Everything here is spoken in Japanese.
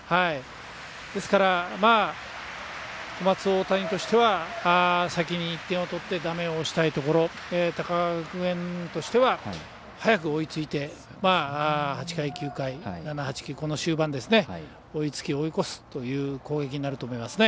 ですから、小松大谷としては先に１点を取ってダメ押ししたいところ高川学園としては早く追いついて８回、９回追いつけ追い越せという攻撃になると思います。